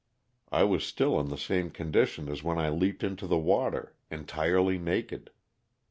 I was still in the same condition as when I leaped into the water — entirely naked.